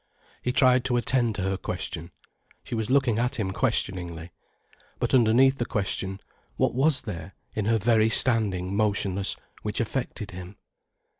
He tried to attend to her question. She was looking at him questioningly. But underneath the question, what was there, in her very standing motionless, which affected him?